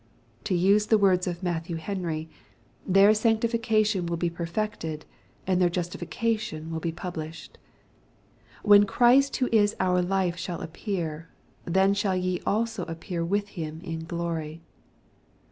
To use the words of Matthew Henry, " their sanctification will be perfected, and their justification will be published/' " When Christ who is our life shall appear, then shall ye also appear with him in glory."